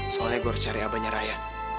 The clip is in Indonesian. soalnya gua harus cari abangnya raya